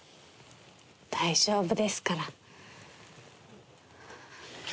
大丈夫ですから。